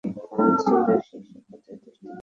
কাউন্সিলের শীর্ষ পদে অধিষ্ঠিত হোন।